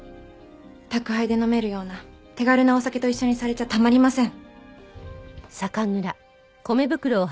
宅配で飲めるような手軽なお酒と一緒にされちゃたまりません。